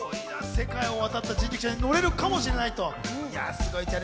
世界を渡った人力車に乗れるかもしれないと。